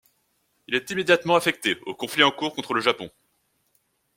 Il est immédiatement affecté au conflit en cours contre le Japon.